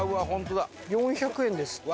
４００円ですって。